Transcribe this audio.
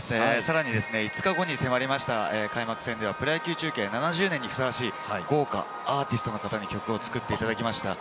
５日後に迫りました開幕戦では、プロ野球中継７０年にふさわしい、豪華アーティストの方に曲を作っていただきました。